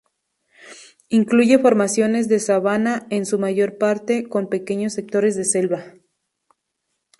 Incluye formaciones de sabana en su mayor parte, con pequeños sectores de selva.